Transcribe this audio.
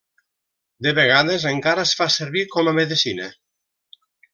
De vegades encara es fa servir com a medecina.